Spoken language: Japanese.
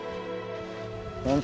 本当